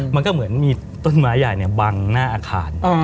มันก็เหมือนมีต้นไม้ใหญ่บังหน้าอาคาร